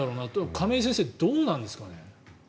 亀井先生、どうなんですかね。